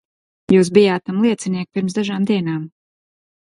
Jūs bijāt tam liecinieki pirms dažām dienām.